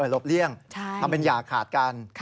ลบเลี่ยงทำเป็นอย่าขาดกัน